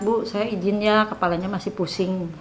bu saya izin ya kepalanya masih pusing